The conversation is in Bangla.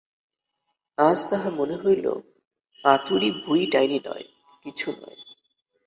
আজ তাহার মনে হইল আতুরী বুড়ি ডাইনি নয়, কিছু নয়।